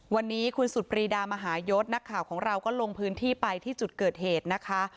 วันนี้คุณสุดปรีดามหายศนักข่าวของเราก็ลงพื้นที่ไปที่จุดเกิดเหตุนะคะ